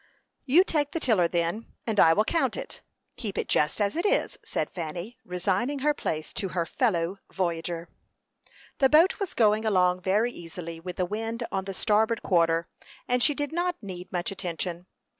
"You take the tiller then, and I will count it. Keep it just as it is," said Fanny, resigning her place to her fellow voyager. The boat was going along very easily with the wind on the starboard quarter, and did not need much attention.